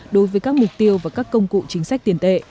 đối với các mục tiêu và các công cụ chính sách tiền tệ